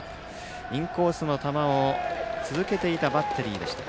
インコースの球を続けていたバッテリーでした。